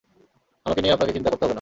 আমাকে নিয়ে আপনাকে চিন্তা করতে হবে না।